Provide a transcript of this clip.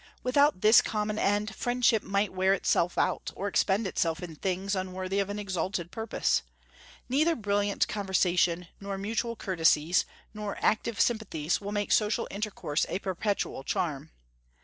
Without this common end, friendship might wear itself out, or expend itself in things unworthy of an exalted purpose. Neither brilliant conversation, nor mutual courtesies, nor active sympathies will make social intercourse a perpetual charm.